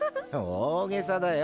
大げさだよ。